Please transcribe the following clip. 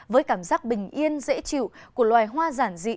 với cảm giác bình yên dễ chịu của loài hoa giản dị